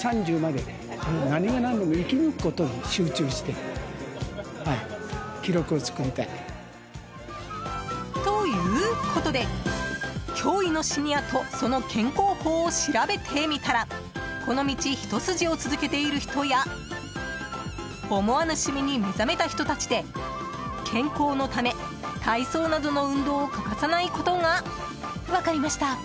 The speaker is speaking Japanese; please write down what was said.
何歳まで続けたいですか？ということで、驚異のシニアとその健康法を調べてみたらこの道ひと筋を続けている人や思わぬ趣味に目覚めた人たちで健康のため、体操などの運動を欠かさないことが分かりました。